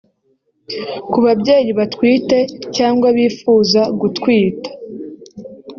Ku babyeyi batwite cyangwa bifuza gutwita